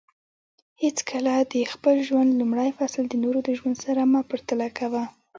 حیڅکله د خپل ژوند لومړی فصل د نورو د ژوند سره مه پرتله کوه